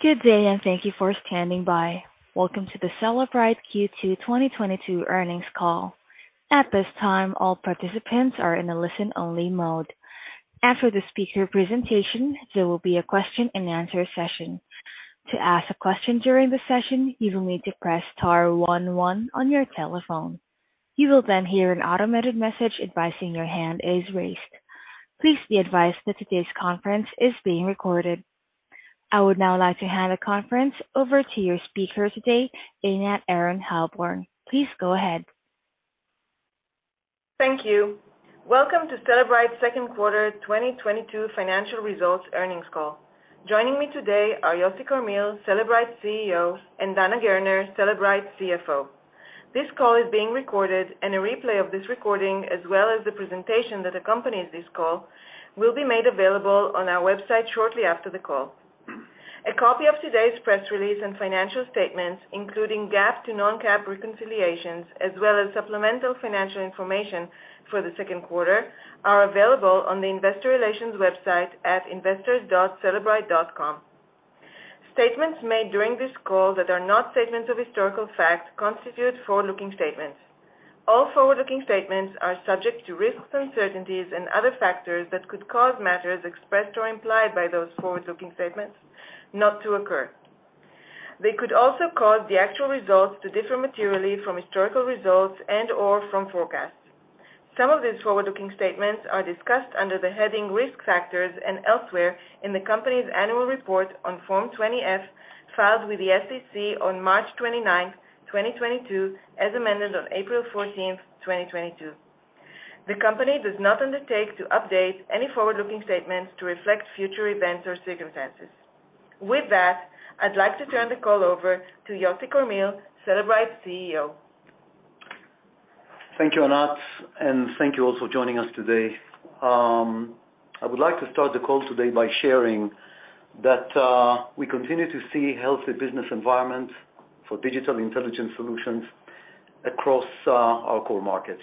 Good day, and thank you for standing by. Welcome to the Cellebrite Q2 2022 Earnings Call. At this time, all participants are in a listen-only mode. After the speaker presentation, there will be a question-and-answer session. To ask a question during the session, you will need to press star one one on your telephone. You will then hear an automated message advising your hand is raised. Please be advised that today's conference is being recorded. I would now like to hand the conference over to your speaker today, Anat Earon-Heilborn. Please go ahead. Thank you. Welcome to Cellebrite's Second Quarter 2022 Financial Results Earnings Call. Joining me today are Yossi Carmil, Cellebrite's CEO, and Dana Gerner, Cellebrite's CFO. This call is being recorded, and a replay of this recording, as well as the presentation that accompanies this call, will be made available on our website shortly after the call. A copy of today's press release and financial statements, including GAAP to non-GAAP reconciliations, as well as supplemental financial information for the second quarter, are available on the investor relations website at investors.cellebrite.com. Statements made during this call that are not statements of historical fact constitute forward-looking statements. All forward-looking statements are subject to risks and uncertainties and other factors that could cause matters expressed or implied by those forward-looking statements not to occur. They could also cause the actual results to differ materially from historical results and/or from forecasts. Some of these forward-looking statements are discussed under the heading Risk Factors and elsewhere in the company's annual report on Form 20-F filed with the SEC on March twenty-ninth, 2022, as amended on April fourteenth, 2022. The company does not undertake to update any forward-looking statements to reflect future events or circumstances. With that, I'd like to turn the call over to Yossi Carmil, Cellebrite's CEO. Thank you, Anat, and thank you all for joining us today. I would like to start the call today by sharing that we continue to see healthy business environment for digital intelligence solutions across our core markets.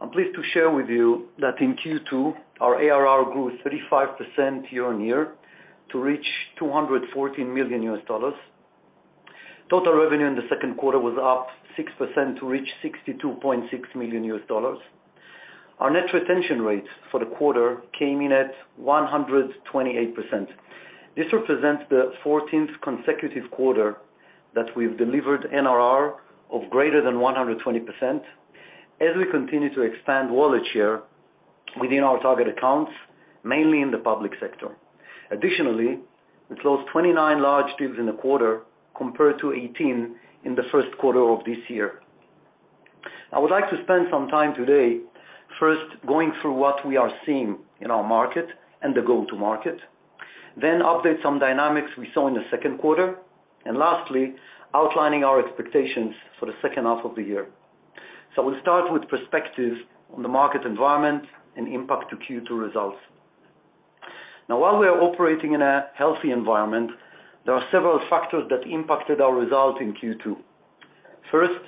I'm pleased to share with you that in Q2, our ARR grew 35% year-on-year to reach $214 million. Total revenue in the second quarter was up 6% to reach $62.6 million. Our net retention rates for the quarter came in at 128%. This represents the 14th consecutive quarter that we've delivered NRR of greater than 120% as we continue to expand wallet share within our target accounts, mainly in the public sector. Additionally, we closed 29 large deals in the quarter compared to 18 in the first quarter of this year. I would like to spend some time today first going through what we are seeing in our market and the go-to market, then update some dynamics we saw in the second quarter, and lastly, outlining our expectations for the second half of the year. We'll start with perspectives on the market environment and impact to Q2 results. Now while we are operating in a healthy environment, there are several factors that impacted our results in Q2. First,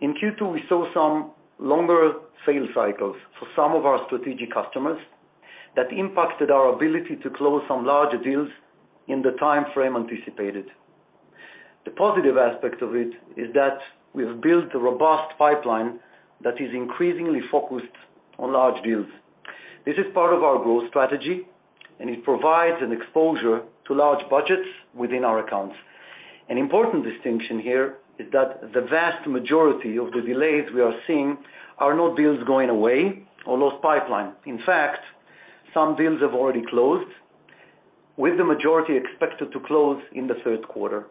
in Q2, we saw some longer sales cycles for some of our strategic customers that impacted our ability to close some larger deals in the timeframe anticipated. The positive aspect of it is that we have built a robust pipeline that is increasingly focused on large deals. This is part of our growth strategy, and it provides an exposure to large budgets within our accounts. An important distinction here is that the vast majority of the delays we are seeing are not deals going away or lost pipeline. In fact, some deals have already closed, with the majority expected to close in the third quarter.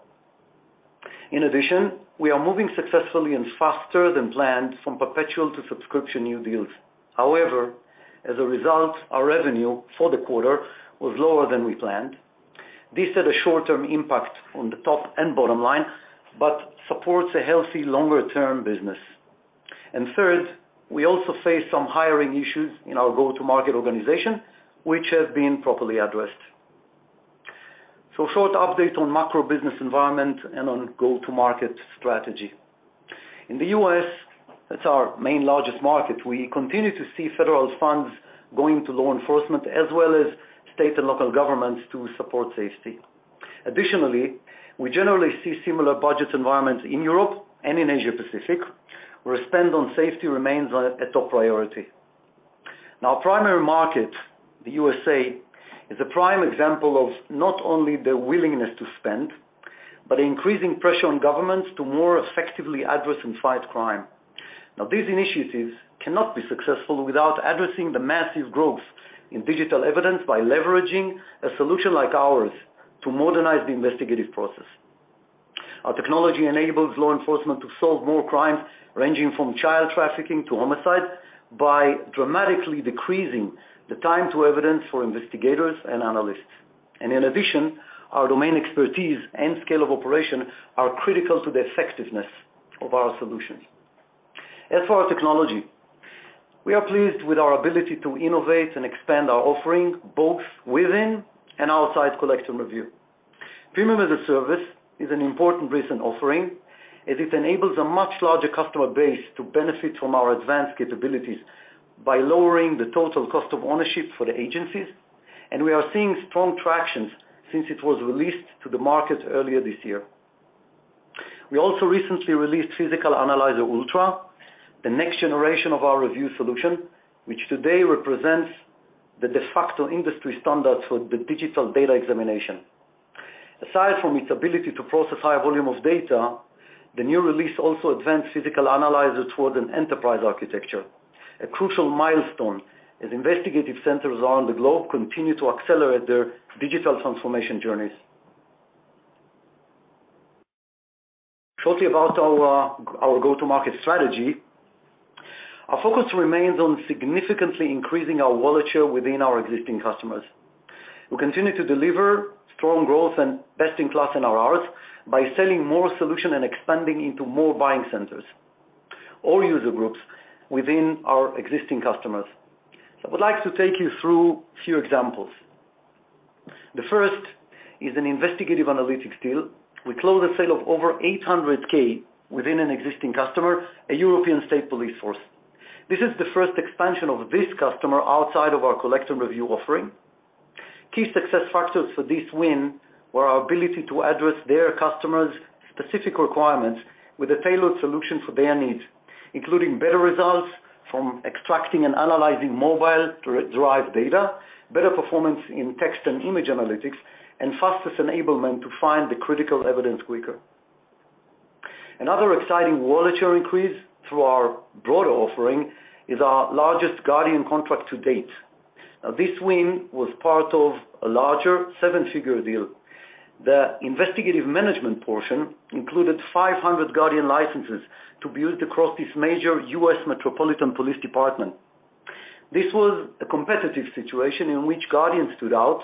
In addition, we are moving successfully and faster than planned from perpetual to subscription new deals. However, as a result, our revenue for the quarter was lower than we planned. This had a short-term impact on the top and bottom line but supports a healthy longer-term business. Third, we also faced some hiring issues in our go-to-market organization, which have been properly addressed. Short update on macro business environment and on go-to-market strategy. In the U.S., that's our main largest market, we continue to see federal funds going to law enforcement as well as state and local governments to support safety. Additionally, we generally see similar budget environments in Europe and in Asia Pacific, where spend on safety remains a top priority. Now our primary market, the U.S.A., is a prime example of not only the willingness to spend, but increasing pressure on governments to more effectively address and fight crime. Now these initiatives cannot be successful without addressing the massive growth in digital evidence by leveraging a solution like ours to modernize the investigative process. Our technology enables law enforcement to solve more crimes ranging from child trafficking to homicide by dramatically decreasing the time to evidence for investigators and analysts. In addition, our domain expertise and scale of operation are critical to the effectiveness of our solutions. As for our technology, we are pleased with our ability to innovate and expand our offering both within and outside collection review. Premium as a Service is an important recent offering as it enables a much larger customer base to benefit from our advanced capabilities by lowering the total cost of ownership for the agencies, and we are seeing strong traction since it was released to the market earlier this year. We also recently released Physical Analyzer Ultra, the next generation of our review solution, which today represents the de facto industry standard for the digital data examination. Aside from its ability to process high volume of data, the new release also advanced Physical Analyzer toward an enterprise architecture, a crucial milestone as investigative centers around the globe continue to accelerate their digital transformation journeys. Shortly about our go-to-market strategy. Our focus remains on significantly increasing our wallet share within our existing customers. We continue to deliver strong growth and best-in-class NRR by selling more solution and expanding into more buying centers or user groups within our existing customers. I would like to take you through few examples. The first is an investigative analytics deal. We closed a sale of over $800K within an existing customer, a European state police force. This is the first expansion of this customer outside of our collect and review offering. Key success factors for this win were our ability to address their customers' specific requirements with a tailored solution for their needs, including better results from extracting and analyzing mobile device data, better performance in text and image analytics, and fastest enablement to find the critical evidence quicker. Another exciting wallet share increase through our broader offering is our largest Guardian contract to date. Now this win was part of a larger seven-figure deal. The investigative management portion included 500 Guardian licenses to be used across this major U.S. metropolitan police department. This was a competitive situation in which Guardian stood out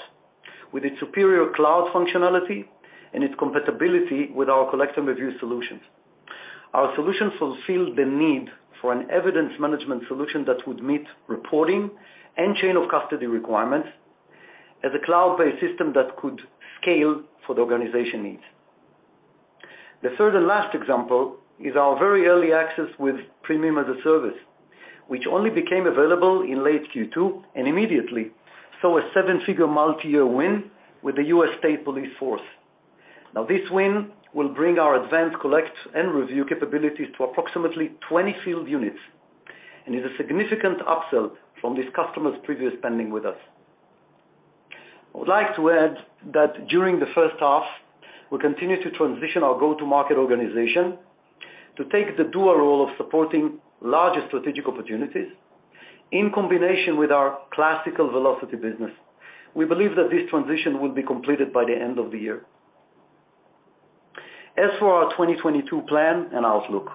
with its superior cloud functionality and its compatibility with our collect and review solutions. Our solutions fulfilled the need for an evidence management solution that would meet reporting and chain of custody requirements as a cloud-based system that could scale for the organization needs. The third and last example is our very early access with Premium as a Service, which only became available in late Q2 and immediately saw a seven-figure multi-year win with the U.S. state police force. Now this win will bring our advanced collect and review capabilities to approximately 20 field units and is a significant upsell from this customer's previous spending with us. I would like to add that during the first half, we continued to transition our go-to-market organization to take the dual role of supporting larger strategic opportunities in combination with our classical velocity business. We believe that this transition will be completed by the end of the year. As for our 2022 plan and outlook,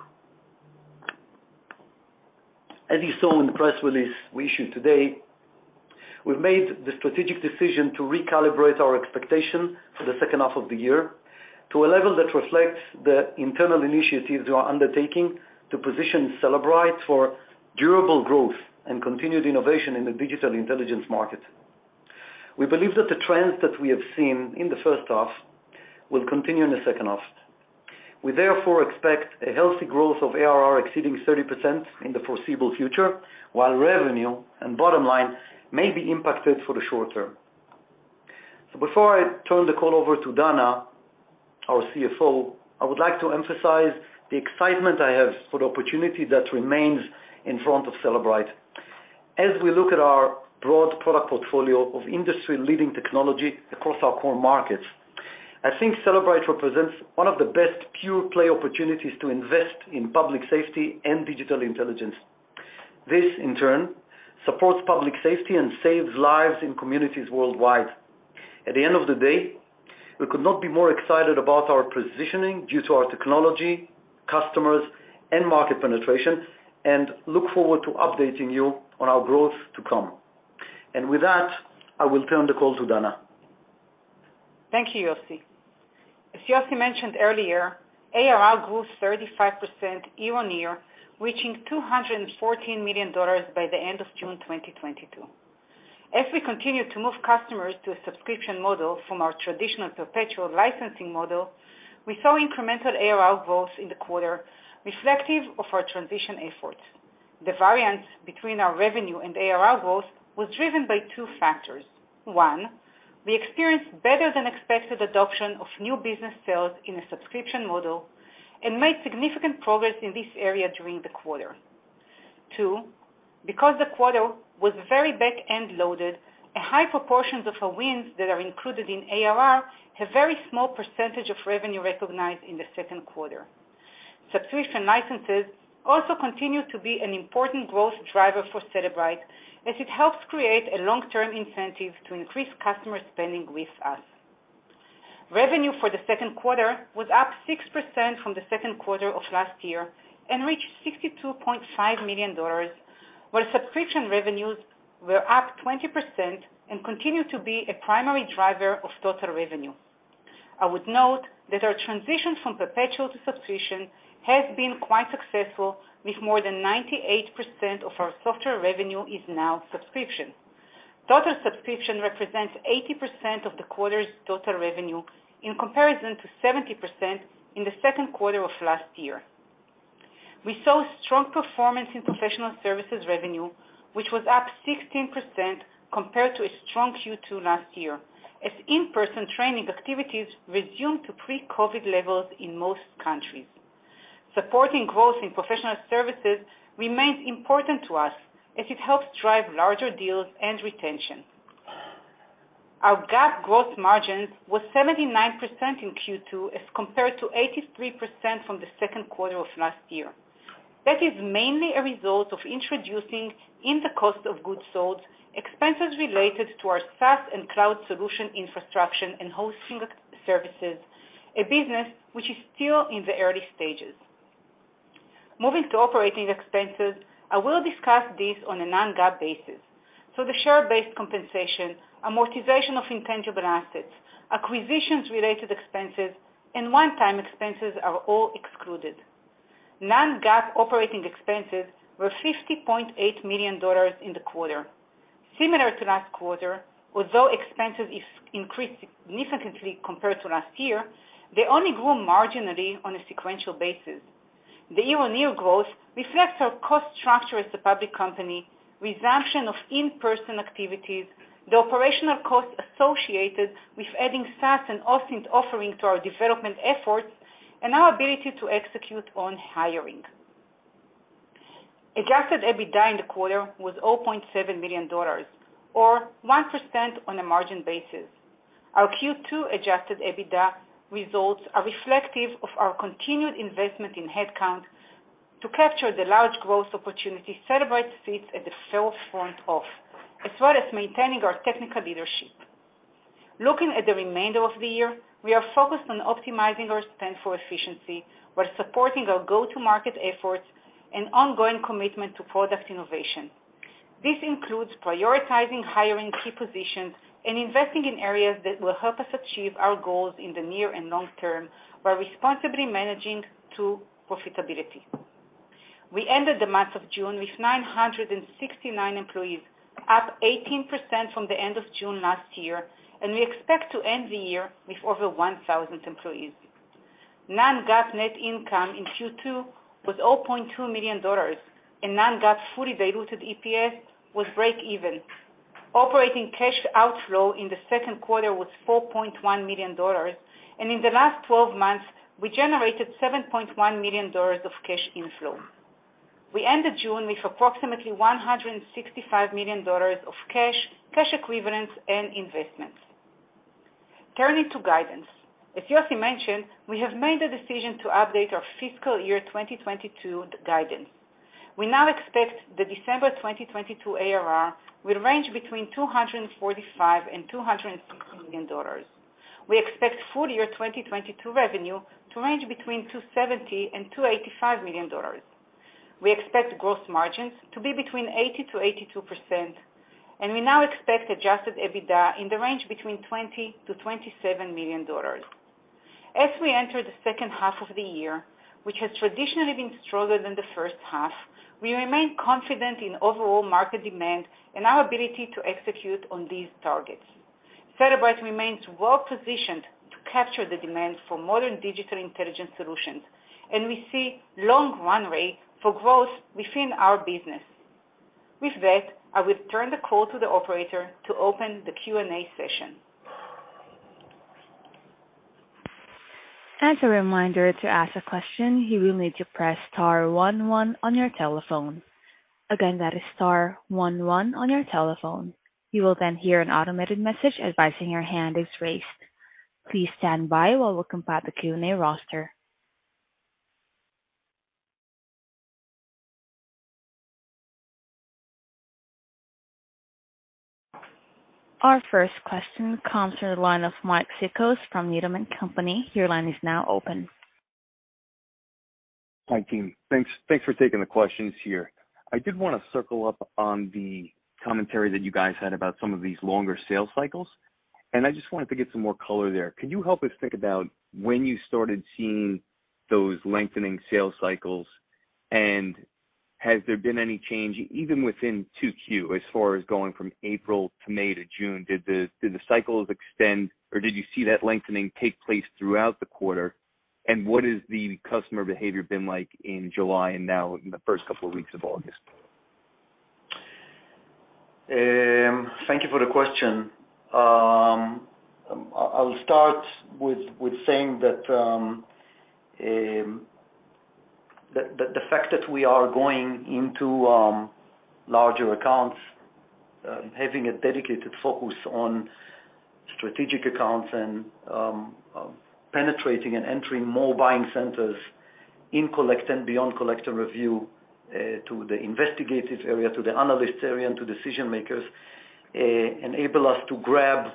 as you saw in the press release we issued today, we've made the strategic decision to recalibrate our expectation for the second half of the year to a level that reflects the internal initiatives we are undertaking to position Cellebrite for durable growth and continued innovation in the digital intelligence market. We believe that the trends that we have seen in the first half will continue in the second half. We therefore expect a healthy growth of ARR exceeding 30% in the foreseeable future, while revenue and bottom line may be impacted for the short term. Before I turn the call over to Dana, our CFO, I would like to emphasize the excitement I have for the opportunity that remains in front of Cellebrite. As we look at our broad product portfolio of industry-leading technology across our core markets, I think Cellebrite represents one of the best pure play opportunities to invest in public safety and digital intelligence. This, in turn, supports public safety and saves lives in communities worldwide. At the end of the day, we could not be more excited about our positioning due to our technology, customers, and market penetration, and look forward to updating you on our growth to come. With that, I will turn the call to Dana. Thank you, Yossi. As Yossi mentioned earlier, ARR grew 35% year-on-year, reaching $214 million by the end of June 2022. As we continue to move customers to a subscription model from our traditional perpetual licensing model, we saw incremental ARR growth in the quarter reflective of our transition efforts. The variance between our revenue and ARR growth was driven by two factors. One, we experienced better than expected adoption of new business sales in a subscription model and made significant progress in this area during the quarter. Two, because the quarter was very back-end-loaded, a high proportion of our wins that are included in ARR have very small percentage of revenue recognized in the second quarter. Subscription licenses also continue to be an important growth driver for Cellebrite as it helps create a long-term incentive to increase customer spending with us. Revenue for the second quarter was up 6% from the second quarter of last year and reached $62.5 million, while subscription revenues were up 20% and continue to be a primary driver of total revenue. I would note that our transition from perpetual to subscription has been quite successful, with more than 98% of our software revenue is now subscription. Total subscription represents 80% of the quarter's total revenue in comparison to 70% in the second quarter of last year. We saw strong performance in professional services revenue, which was up 16% compared to a strong Q2 last year, as in-person training activities resumed to pre-COVID levels in most countries. Supporting growth in professional services remains important to us as it helps drive larger deals and retention. Our GAAP gross margins was 79% in Q2 as compared to 83% from the second quarter of last year. That is mainly a result of introducing in the cost of goods sold, expenses related to our SaaS and cloud solution infrastructure and hosting services, a business which is still in the early stages. Moving to operating expenses, I will discuss this on a non-GAAP basis. The share-based compensation, amortization of intangible assets, acquisitions related expenses, and one-time expenses are all excluded. Non-GAAP operating expenses were $50.8 million in the quarter. Similar to last quarter, although expenses increased significantly compared to last year, they only grew marginally on a sequential basis. The year-on-year growth reflects our cost structure as a public company, resumption of in-person activities, the operational costs associated with adding SaaS and Inseyets offering to our development efforts, and our ability to execute on hiring. Adjusted EBITDA in the quarter was $0.7 million or 1% on a margin basis. Our Q2 adjusted EBITDA results are reflective of our continued investment in headcount to capture the large growth opportunities Cellebrite sits at the forefront of, as well as maintaining our technical leadership. Looking at the remainder of the year, we are focused on optimizing our spend for efficiency while supporting our go-to-market efforts and ongoing commitment to product innovation. This includes prioritizing hiring key positions and investing in areas that will help us achieve our goals in the near and long term while responsibly managing to profitability. We ended the month of June with 969 employees, up 18% from the end of June last year, and we expect to end the year with over 1,000 employees. Non-GAAP net income in Q2 was $0.2 million, and non-GAAP fully diluted EPS was breakeven. Operating cash outflow in the second quarter was $4.1 million, and in the last twelve months, we generated $7.1 million of cash inflow. We ended June with approximately $165 million of cash equivalents, and investments. Turning to guidance. As Yossi mentioned, we have made the decision to update our fiscal year 2022 guidance. We now expect the December 2022 ARR will range between $245 million to $260 million. We expect full year 2022 revenue to range between $270 million to $285 million. We expect gross margins to be between 80%-82%, and we now expect adjusted EBITDA in the range between $20 million to $27 million. As we enter the second half of the year, which has traditionally been stronger than the first half, we remain confident in overall market demand and our ability to execute on these targets. Cellebrite remains well-positioned to capture the demand for modern digital intelligence solutions, and we see long run rate for growth within our business. With that, I will turn the call to the operator to open the Q&A session. As a reminder, to ask a question, you will need to press star one one on your telephone. Again, that is star one one on your telephone. You will then hear an automated message advising your hand is raised. Please stand by while we compile the Q&A roster. Our first question comes from the line of Mike Cikos from Needham & Company. Your line is now open. Hi, team. Thanks for taking the questions here. I did want to circle up on the commentary that you guys had about some of these longer sales cycles, and I just wanted to get some more color there. Can you help us think about when you started seeing those lengthening sales cycles, and has there been any change even within 2Q as far as going from April to May to June? Did the cycles extend, or did you see that lengthening take place throughout the quarter? What has the customer behavior been like in July and now in the first couple of weeks of August? Thank you for the question. I'll start with saying that the fact that we are going into larger accounts, having a dedicated focus on strategic accounts and penetrating and entering more buying centers in collect and beyond collect and review, to the investigative area, to the analyst area, and to decision-makers, enable us to grab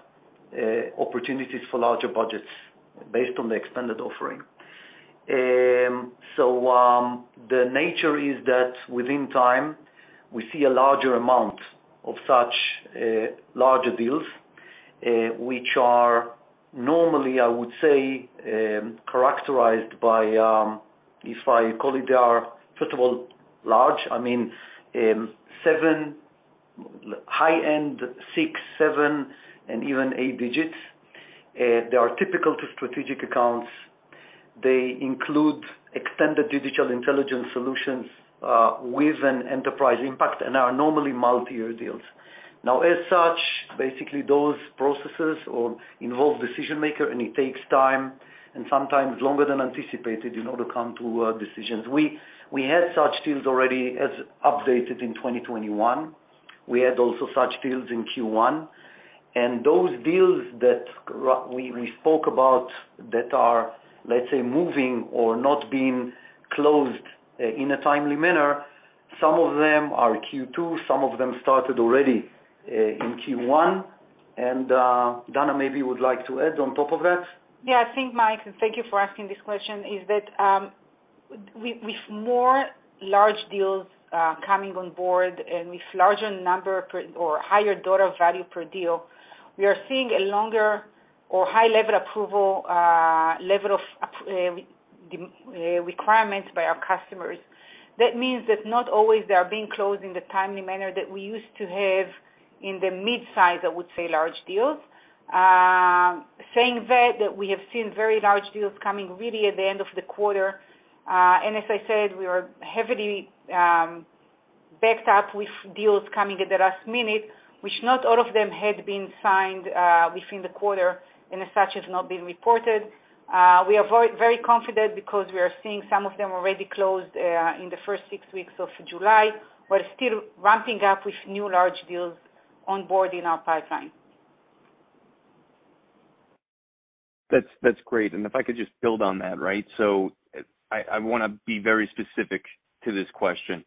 opportunities for larger budgets based on the expanded offering. The nature is that within time, we see a larger amount of such larger deals. Which are normally, I would say, characterized by, if I call it, they are first of all large seven high-end, six, seven, and even eight digits. They are typical to strategic accounts. They include extended digital intelligence solutions, with an enterprise impact and are normally multi-year deals. Now as such, basically those processes do involve decision-maker, and it takes time and sometimes longer than anticipated in order to come to decisions. We had such deals already as updated in 2021. We had also such deals in Q1. Those deals that we spoke about that are, let's say, moving or not being closed in a timely manner, some of them are Q2, some of them started already in Q1. Dana maybe would like to add on top of that. Mike thank you for asking this question, that with more large deals coming on board and with larger number or higher dollar value per deal, we are seeing a longer or higher-level approval level of approval requirements by our customers. That means that not always they are being closed in the timely manner that we used to have in the midsize, I would say, large deals. Saying that, we have seen very large deals coming really at the end of the quarter. As I said, we were heavily backed up with deals coming at the last minute, which not all of them had been signed within the quarter, and as such has not been reported. We are very confident because we are seeing some of them already closed, in the first six weeks of July. We're still ramping up with new large deals on board in our pipeline. That's great. If I could just build on that, right? I wanna be very specific to this question.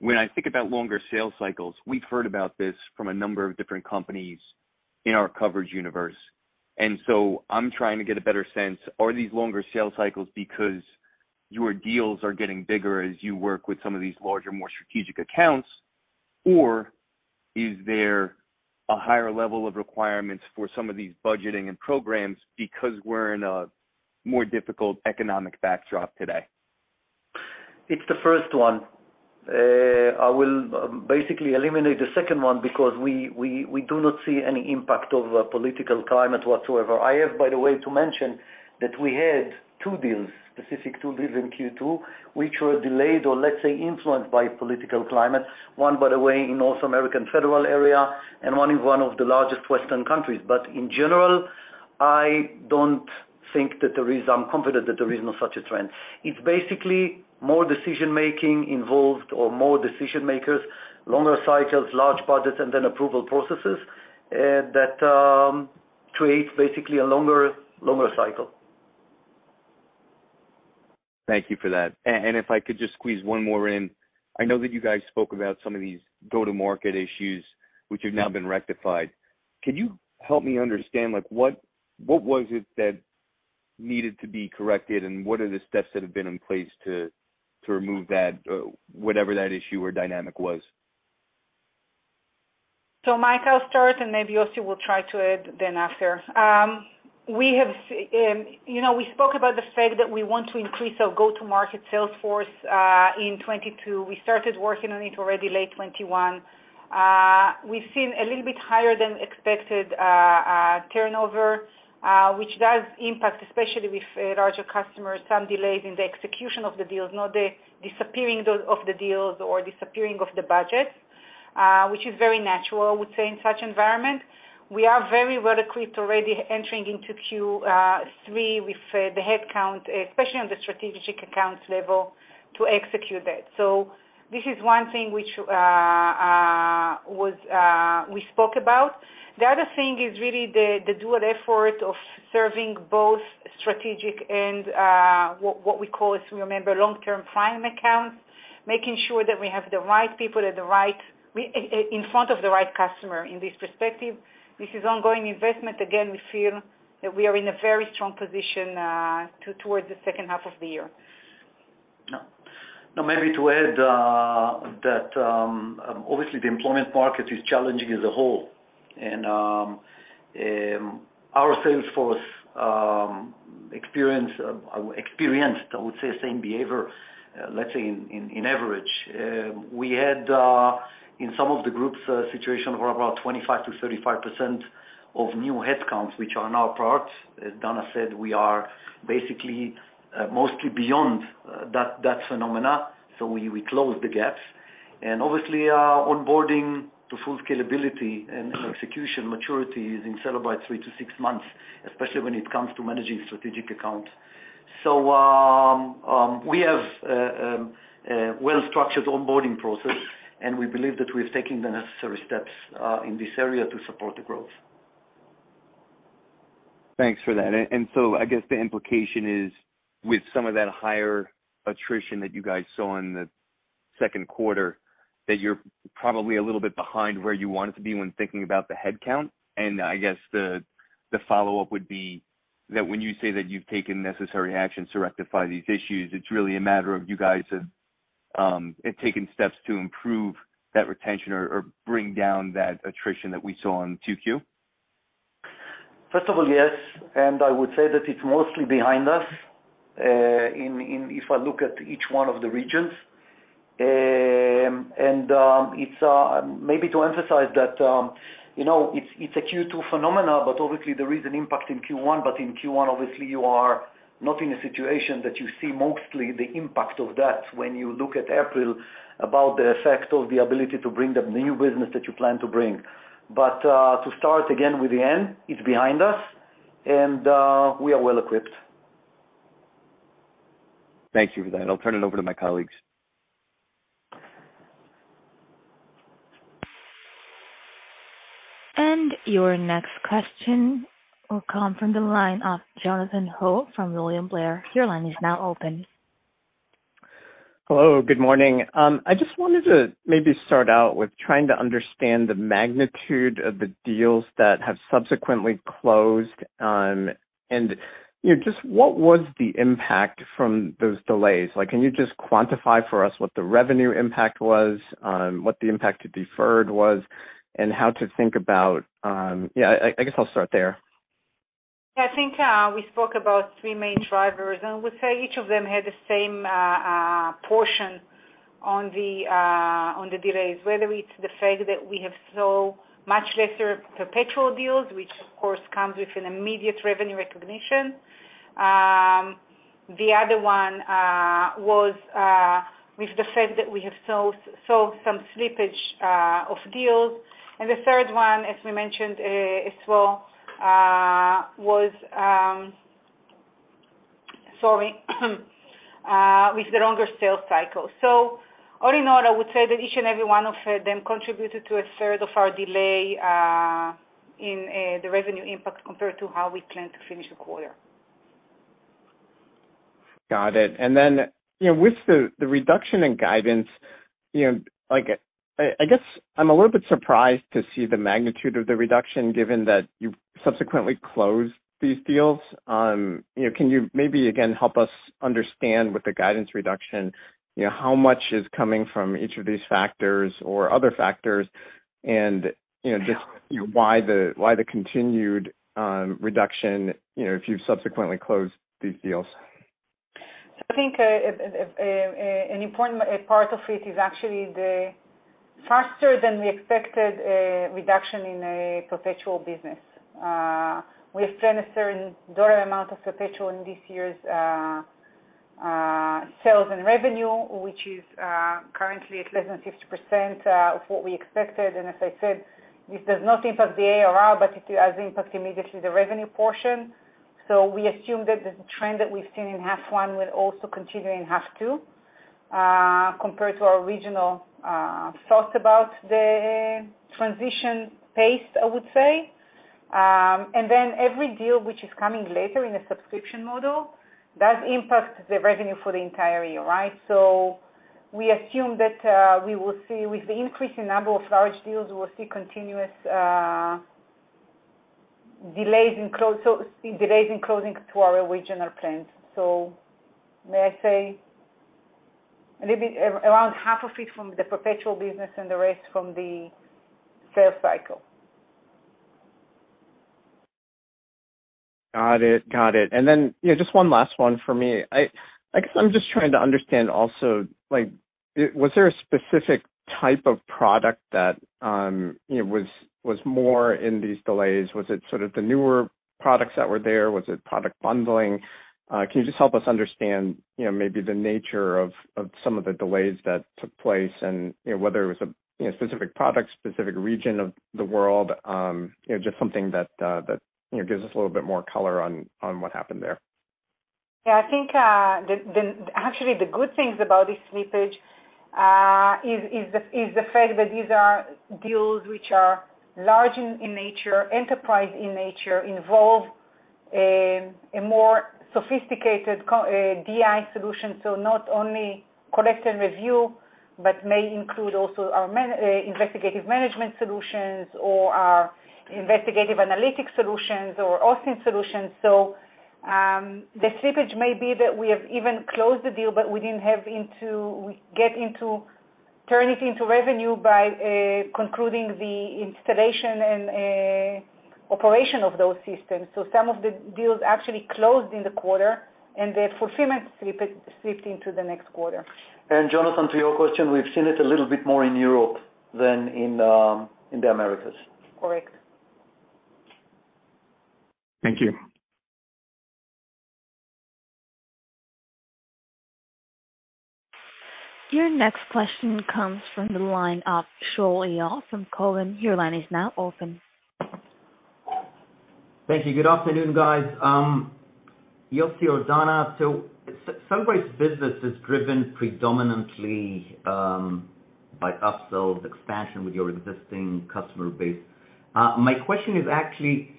When I think about longer sales cycles, we've heard about this from a number of different companies in our coverage universe. I'm trying to get a better sense, are these longer sales cycles because your deals are getting bigger as you work with some of these larger, more strategic accounts? Or is there a higher level of requirements for some of these budgeting and programs because we're in a more difficult economic backdrop today? It's the first one. I will basically eliminate the second one because we do not see any impact of a political climate whatsoever. I have, by the way, to mention that we had two deals, specific two deals in Q2, which were delayed or let's say influenced by political climate. One, by the way, in North American federal area and one in one of the largest Western countries. In general, I don't think that there is. I'm confident that there is no such a trend. It's basically more decision-making involved or more decision-makers, longer cycles, large budgets, and then approval processes that creates basically a longer cycle. Thank you for that. If I could just squeeze one more in. I know that you guys spoke about some of these go-to-market issues, which have now been rectified. Can you help me understand, like what was it that needed to be corrected and what are the steps that have been in place to remove that, whatever that issue or dynamic was? Mike, I'll start, and maybe Yossi will try to add then after. We spoke about the fact that we want to increase our go-to-market sales force in 2022. We started working on it already late 2021. We've seen a little bit higher than expected turnover, which does impact, especially with larger customers, some delays in the execution of the deals, not the disappearing of the deals or disappearing of the budget, which is very natural, I would say, in such environment. We are very well equipped already entering into Q3 with the headcount, especially on the strategic accounts level, to execute that. This is one thing which was we spoke about. The other thing is really the dual effort of serving both strategic and what we call, as we remember, prime accounts, making sure that we have the right people in front of the right customer in this perspective. This is ongoing investment. Again, we feel that we are in a very strong position towards the second half of the year. Now maybe to add, that obviously the employment market is challenging as a whole. Our sales force experienced, I would say the same behavior, let's say in average. We had in some of the groups a situation of about 25%-35% of new headcounts, which are now part. As Dana said, we are basically mostly beyond that phenomena. We close the gaps. Obviously onboarding to full scalability and execution maturity is normally 3-6 months, especially when it comes to managing strategic account. We have a well-structured onboarding process, and we believe that we've taken the necessary steps in this area to support the growth. Thanks for that. So I guess the implication is with some of that higher attrition that you guys saw in the second quarter, that you're probably a little bit behind where you wanted to be when thinking about the headcount. I guess the follow-up would be that when you say that you've taken necessary actions to rectify these issues, it's really a matter of you guys have, and taking steps to improve that retention or bring down that attrition that we saw in 2Q? First of all, yes, I would say that it's mostly behind us, if I look at each one of the regions. It's maybe to emphasize that it's a Q2 phenomenon, but obviously there is an impact in Q1, but in Q1, obviously you are not in a situation that you see mostly the impact of that when you look at April about the effect of the ability to bring the new business that you plan to bring. To start again with the end, it's behind us and we are well equipped. Thank you for that. I'll turn it over to my colleagues. Your next question will come from the line of Jonathan Ho from William Blair. Your line is now open. Hello, good morning. I just wanted to maybe start out with trying to understand the magnitude of the deals that have subsequently closed, and just what was the impact from those delays? Like, can you just quantify for us what the revenue impact was, what the impact to deferred was, and how to think about? I guess I'll start there. I think we spoke about three main drivers, and I would say each of them had the same portion on the delays, whether it's the fact that we have so much lesser perpetual deals, which of course comes with an immediate revenue recognition. The other one was with the fact that we have sold some slippage of deals. The third one, as we mentioned, as well, was with the longer sales cycle. All in all, I would say that each and every one of them contributed to a third of our delay in the revenue impact compared to how we planned to finish the quarter. Got it. Then with the reduction in guidance, I'm a little bit surprised to see the magnitude of the reduction given that you've subsequently closed these deals. Can you maybe again help us understand with the guidance reduction how much is coming from each of these factors or other factors? Just why the continued reduction if you've subsequently closed these deals. An important part of it is actually the faster-than-we-expected reduction in a perpetual business. We've seen a certain dollar amount of perpetual in this year's sales and revenue, which is currently at less than 50% of what we expected. As I said, this does not impact the ARR, but it has impact immediately the revenue portion. We assume that the trend that we've seen in half one will also continue in half two, compared to our original thoughts about the transition pace, I would say. And then every deal which is coming later in the subscription model, does impact the revenue for the entire year, right? We assume that we will see with the increase in number of large deals, we will see continuous delays in closing to our regional plans. May I say maybe around half of it from the perpetual business and the rest from the sales cycle. Got it. Just one last one for me. I'm just trying to understand also, like was there a specific type of product that was more in these delays? Was it the newer products that were there? Was it product bundling? Can you just help us understand maybe the nature of some of the delays that took place and whether it was a specific product, specific region of the world just something that gives us a little bit more color on what happened there. Actually, the good things about this slippage is the fact that these are deals which are large in nature, enterprise in nature, involve a more sophisticated DI solution, so not only collect and review, but may include also our investigative management solutions or our investigative analytics solutions or SaaS solutions. The slippage may be that we have even closed the deal, but we didn't turn it into revenue by concluding the installation and operation of those systems. Some of the deals actually closed in the quarter and their fulfillment slipped into the next quarter. Jonathan, to your question, we've seen it a little bit more in Europe than in the Americas. Correct. Thank you. Your next question comes from the line of Shaul Eyal from Cowen. Your line is now open. Thank you. Good afternoon, guys. Yossi or Dana, Cellebrite's business is driven predominantly by upsells expansion with your existing customer base. My question is actually,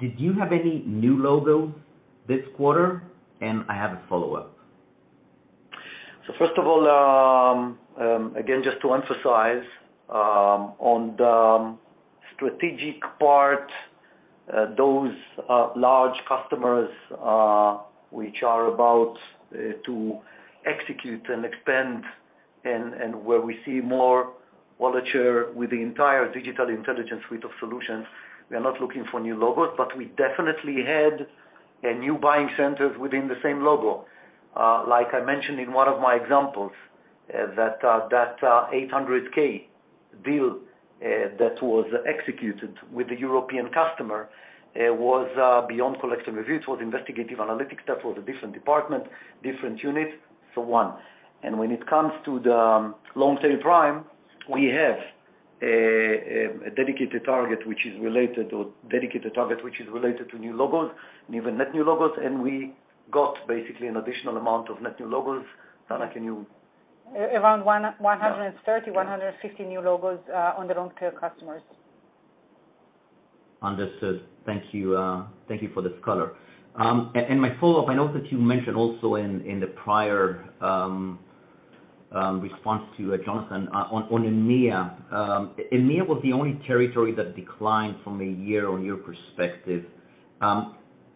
did you have any new logos this quarter? I have a follow-up. First of all, again, just to emphasize, on the strategic part, those large customers, which are about to execute and expand and where we see more traction with the entire digital intelligence suite of solutions, we are not looking for new logos, but we definitely had new buying centers within the same logo. Like I mentioned in one of my examples, that $800K deal that was executed with the European customer was beyond collection reviews. It was investigative analytics. That was a different department, different unit, so one. When it comes to the prime accounts, we have a dedicated target which is related to new logos, even net new logos. We got basically an additional amount of net new logos. Dana, can you? Around 130-150 new logos on the long-term customers. Understood. Thank you. Thank you for this color. And my follow-up, I know that you mentioned also in the prior response to Jonathan on EMEA. EMEA was the only territory that declined from a year-on-year perspective.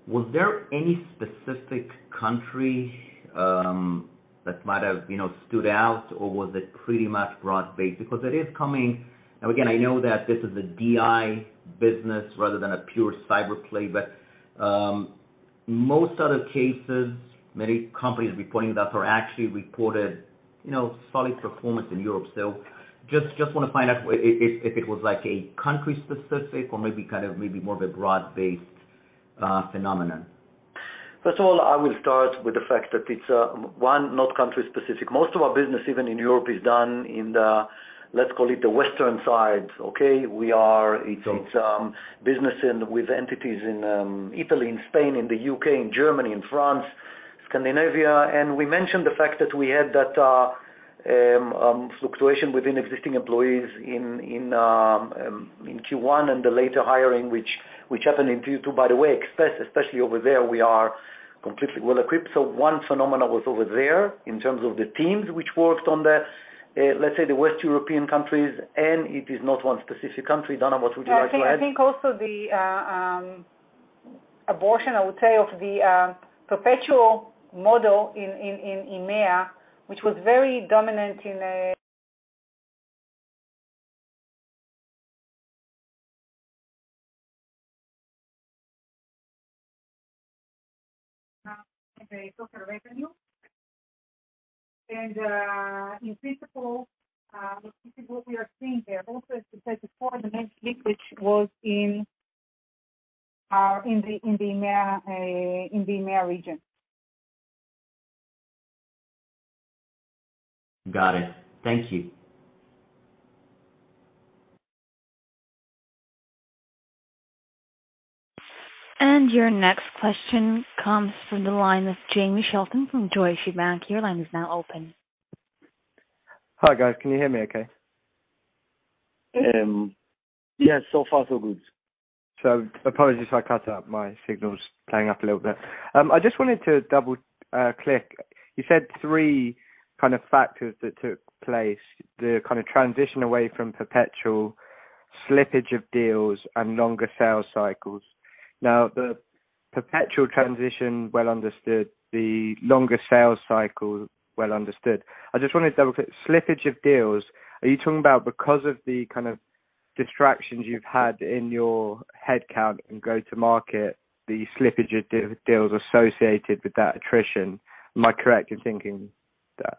Was there any specific country that might have stood out or was it pretty much broad-based? Because it is coming. Now, again, I know that this is a DI business rather than a pure cyber play, but in most other cases, many companies reporting that or actually reported solid performance in Europe. So just wanna find out if it was like a country-specific or maybe more of a broad-based phenomenon. First of all, I will start with the fact that it's one, not country-specific. Most of our business even in Europe is done in the, let's call it the western side, okay? It's business with entities in Italy, in Spain, in the U.K., in Germany, in France, Scandinavia. We mentioned the fact that we had that fluctuation within existing employees in Q1 and the later hiring which happened in Q2. By the way, especially over there we are completely well-equipped. One phenomenon was over there in terms of the teams which worked on the, let's say, the Western European countries, and it is not one specific country. Dana, what would you like to add? No, I think also the absorption, I would say, of the perpetual model in EMEA, which was very dominant in the total revenue. In principle, this is what we are seeing there. Also, as we said before, the main slippage was in the EMEA region. Got it. Thank you. Your next question comes from the line of Jamie Shelton from Deutsche Bank. Your line is now open. Hi, guys. Can you hear me okay? Yes. So far so good. Apologies if I cut out. My signal's playing up a little bit. I just wanted to double-click. You said three kind of factors that took place, the kind of transition away from perpetual slippage of deals and longer sales cycles. The perpetual transition, well understood. The longer sales cycle, well understood. I just wanna double-click. Slippage of deals, are you talking about because of the kind of distractions you've had in your headcount and go-to-market, the slippage of deals associated with that attrition? Am I correct in thinking that?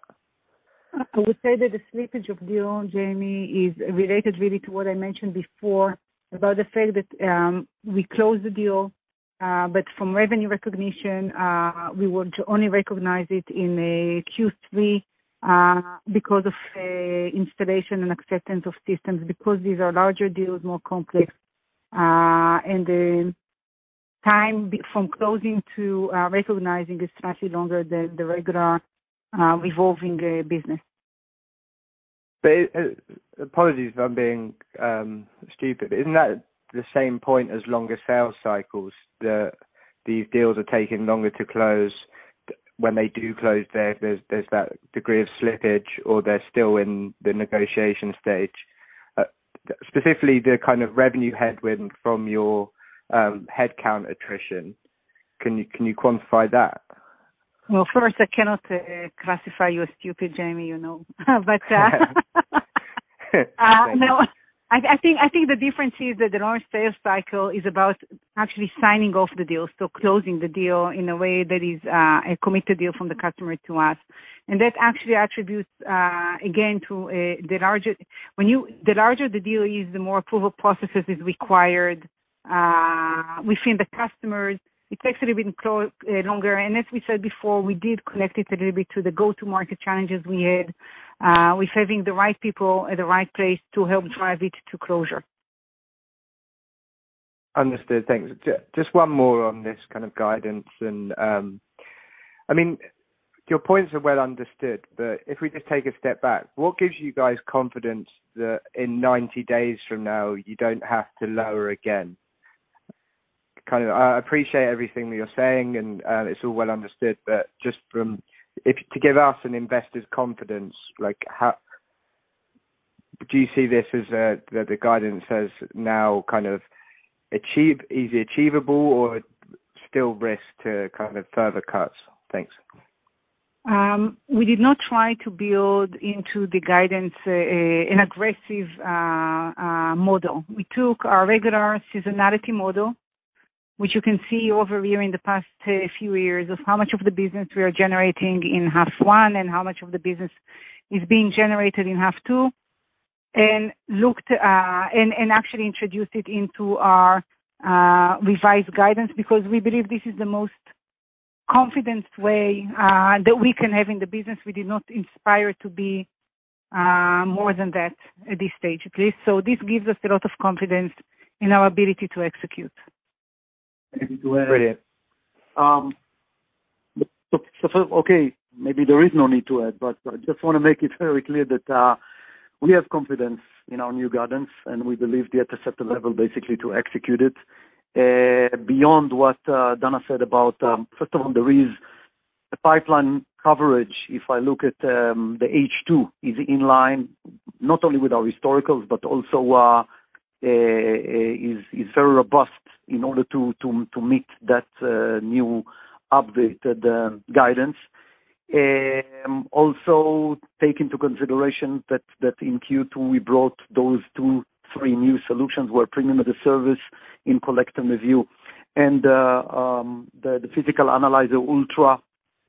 I would say that the slippage of deals, Jamie, is related really to what I mentioned before about the fact that we closed the deal, but from revenue recognition, we want to only recognize it in Q3 because of installation and acceptance of systems because these are larger deals, more complex. From closing to recognizing is slightly longer than the regular recurring business. Apologies if I'm being stupid. Isn't that the same point as longer sales cycles? These deals are taking longer to close. When they do close, there's that degree of slippage or they're still in the negotiation stage. Specifically, the kind of revenue headwind from your headcount attrition, can you quantify that? Well, first, I cannot classify you as stupid, Jamie. Thank you. No, I think the difference is that the longer sales cycle is about actually signing off the deal, so closing the deal in a way that is a committed deal from the customer to us. That actually attributes again to the larger the deal is, the more approval processes is required within the customers. It takes a little bit longer. As we said before, we did connect it a little bit to the go-to market challenges we had with having the right people at the right place to help drive it to closure. Understood. Thanks. Just one more on this kind of guidance. I mean, your points are well understood, but if we just take a step back, what gives you guys confidence that in 90 days from now you don't have to lower again? Kind of, I appreciate everything that you're saying and, it's all well understood, but just, to give us an investor's confidence, like, how do you see this as a, that the guidance has now kind of is achievable or still risk to kind of further cuts? Thanks. We did not try to build into the guidance an aggressive model. We took our regular seasonality model, which you can see over here in the past few years of how much of the business we are generating in half one and how much of the business is being generated in half two, and looked and actually introduced it into our revised guidance because we believe this is the most confident way that we can have in the business. We did not aspire to be more than that at this stage, at least. This gives us a lot of confidence in our ability to execute. Brilliant. Maybe there is no need to add, but I just want to make it very clear that we have confidence in our new guidance, and we believe we are set to level basically to execute it. Beyond what Dana said about, first of all, there is the pipeline coverage. If I look at the H2 is in line, not only with our historical but also is very robust in order to meet that new updated guidance. Also take into consideration that in Q2, we brought those two, three new solutions where Premium as a Service, Inseyets, and the Physical Analyzer Ultra,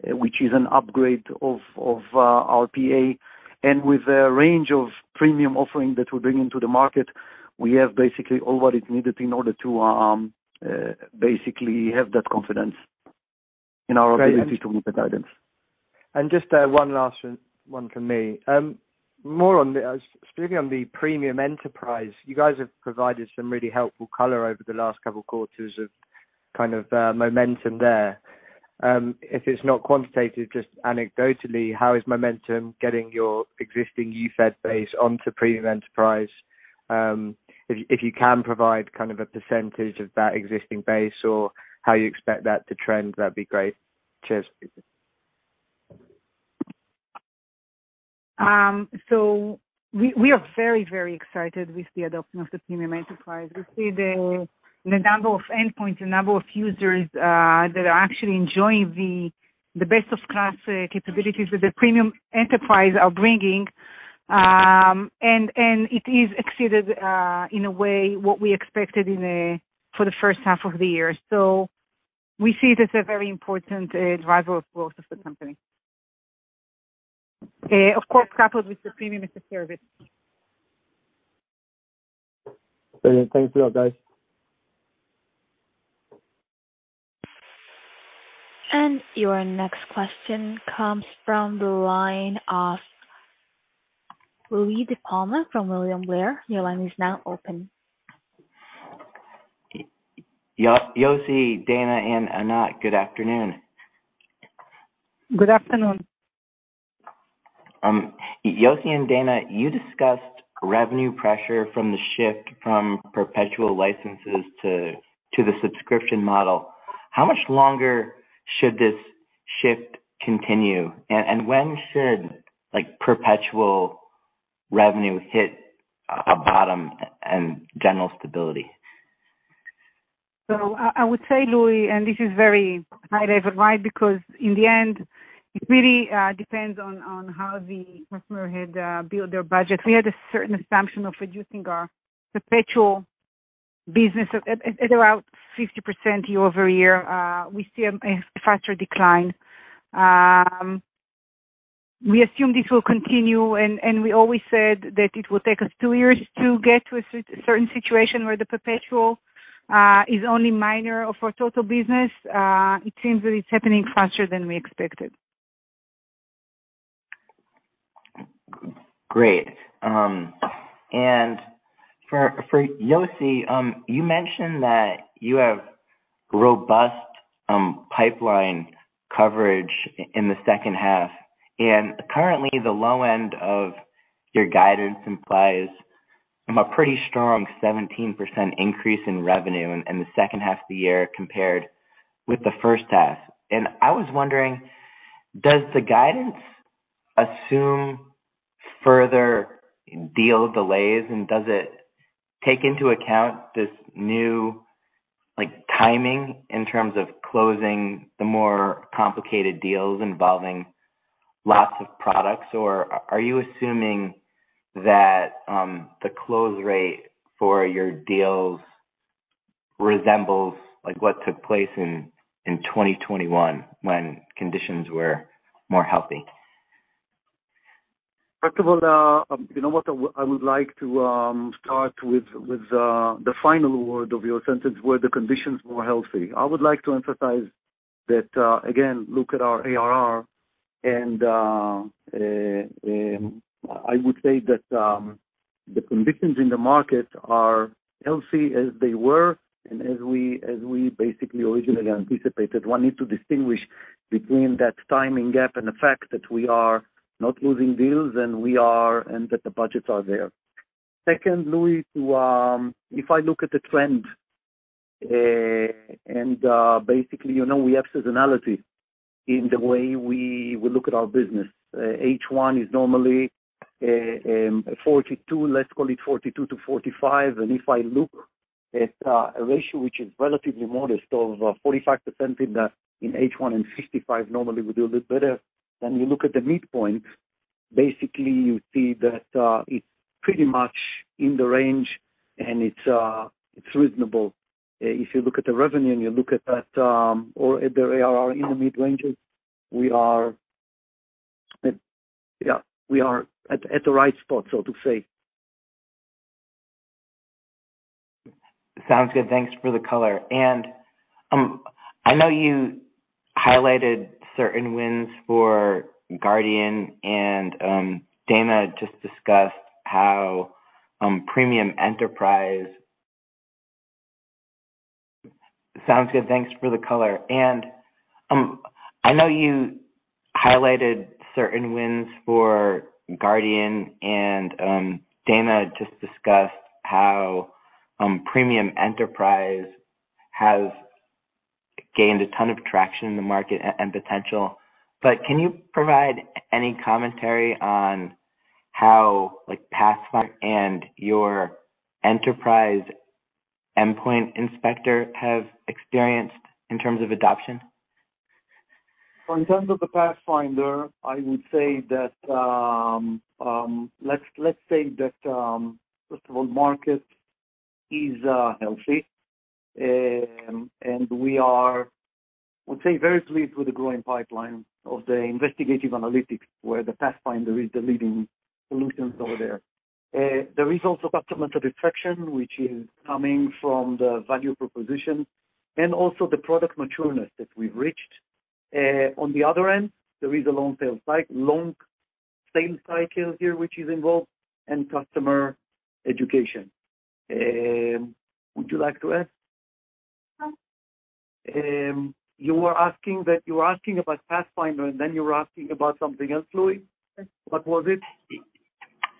which is an upgrade of our PA. With a range of premium offering that we're bringing to the market, we have basically all what is needed in order to basically have that confidence in our ability to meet the guidance. Just one last one from me. More on the strictly on the Premium Enterprise. You guys have provided some really helpful color over the last couple quarters of kind of momentum there. If it's not quantitative, just anecdotally, how is momentum getting your existing UFED base onto Premium Enterprise? If you can provide kind of a percentage of that existing base or how you expect that to trend, that'd be great. Cheers. We are very, very excited with the adoption of the Premium Enterprise. We see the number of endpoints, the number of users that are actually enjoying the best of class capabilities that the Premium Enterprise are bringing. It is exceeded in a way what we expected in for the first half of the year. We see it as a very important driver of growth of the company. Of course, coupled with the Premium as a Service. Brilliant. Thanks a lot, guys. Your next question comes from the line of Louie DiPalma from William Blair. Your line is now open. Yossi, Dana, and Anat, good afternoon. Good afternoon. Yossi and Dana, you discussed revenue pressure from the shift from perpetual licenses to the subscription model. How much longer should this shift continue? When should, like, perpetual revenue hit a bottom and general stability? I would say, Louie, and this is very high level, right? Because in the end, it really depends on how the customer had built their budget. We had a certain assumption of reducing our perpetual business at about 50% year-over-year. We see a faster decline. We assume this will continue. We always said that it will take us two years to get to a certain situation where the perpetual is only minor of our total business. It seems that it's happening faster than we expected. Great. For Yossi, you mentioned that you have robust pipeline coverage in the second half, and currently the low end of your guidance implies a pretty strong 17% increase in revenue in the second half of the year compared with the first half. I was wondering, does the guidance assume further deal delays, and does it take into account this new, like, timing in terms of closing the more complicated deals involving lots of products? Or are you assuming that the close rate for your deals resembles, like, what took place in 2021 when conditions were more healthy? First of all, what? I would like to start with the final word of your sentence, were the conditions more healthy. I would like to emphasize that, again, look at our ARR and, I would say that, the conditions in the market are healthy as they were and as we basically originally anticipated. One need to distinguish between that timing gap and the fact that we are not losing deals and that the budgets are there. Second, Louie, if I look at the trend and, basically we have seasonality in the way we look at our business. H1 is normally 42%, let's call it 42%-45%. If I look at a ratio which is relatively modest of 45% in the H1, and 65% normally would do a bit better. When you look at the midpoint, basically you see that it's pretty much in the range and it's reasonable. If you look at the revenue and you look at that or at the ARR in the mid-ranges, we are at the right spot, so to say. Sounds good. Thanks for the color. I know you highlighted certain wins for Guardian and Dana just discussed how Premium Enterprise has gained a ton of traction in the market and potential. Can you provide any commentary on how, like, Pathfinder and your enterprise Endpoint Inspector have experienced in terms of adoption? In terms of the Pathfinder, I would say that first of all, market is healthy. We are very pleased with the growing pipeline of the investigative analytics, where the Pathfinder is the leading solutions over there. The results of customer traction, which is coming from the value proposition and also the product maturity that we've reached. On the other end, there is a long sales cycle here, which is involved, and customer education. Would you like to add? No. You were asking that, you were asking about Pathfinder, and then you were asking about something else, Louie. What was it?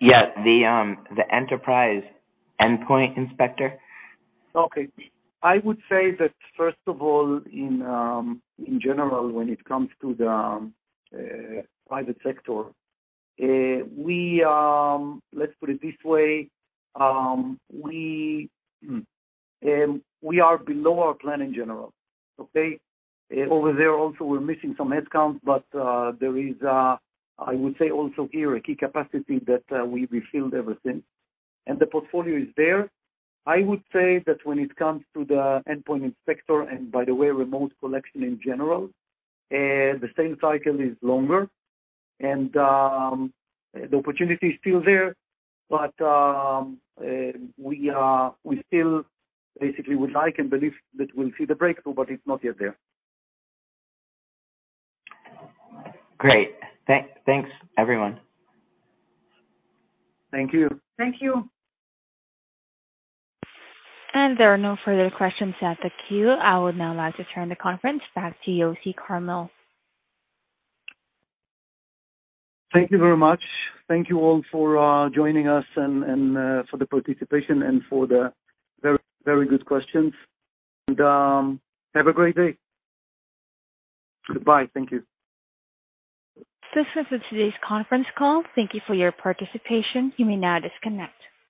The enterprise Endpoint Inspector. Okay. I would say that first of all, in general, when it comes to the private sector, let's put it this way, we are below our plan in general. Okay? Over there also we're missing some S counts, but there is, I would say also here a key capacity that we filled everything. The portfolio is there. I would say that when it comes to the Endpoint Inspector, and by the way, remote collection in general, the same cycle is longer and the opportunity is still there. We still basically would like and believe that we'll see the breakthrough, but it's not yet there. Great. Thanks, everyone. Thank you. Thank you. There are no further questions at the queue. I would now like to turn the conference back to Yossi Carmil. Thank you very much. Thank you all for joining us and for the participation and for the very, very good questions. Have a great day. Goodbye. Thank you. This is for today's conference call. Thank you for your participation. You may now disconnect.